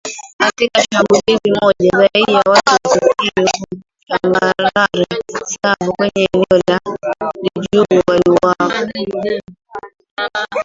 Katika shambulizi moja, zaidi ya watu sitini huko tambarare Savo kwenye eneo la Djubu waliuawa